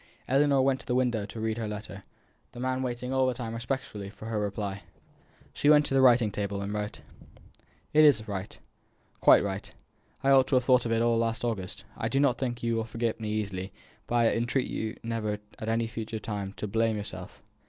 Ellinor went to the window to read her letter; the man waiting all the time respectfully for her reply. She went to the writing table, and wrote: "It is all right quite right. I ought to have thought of it all last August. I do not think you will forget me easily, but I entreat you never at any future time to blame yourself.